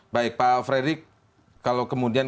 baik pak fredrik kalau kemudian